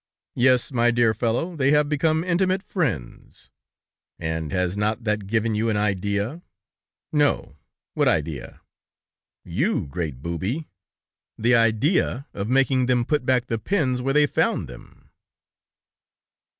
"Yes, my dear fellow, they have become intimate friends." "And has not that given you an idea?" "No, what idea?" "You great booby! The idea of making them put back the pins where they found them."